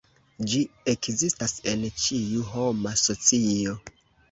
Ĝi ekzistas en ĉiu homa socio.